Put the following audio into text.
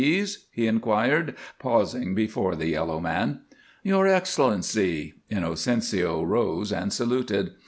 he inquired, pausing before the yellow man. "Your Excellency!" Inocencio rose and saluted.